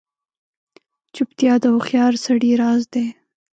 چوپتیا، د هوښیار سړي راز دی.